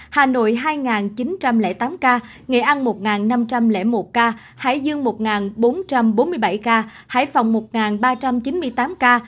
hà nội hai chín trăm linh tám ca nghệ an một năm trăm linh một ca hải dương một bốn trăm bốn mươi bảy ca hải phòng một ba trăm chín mươi tám ca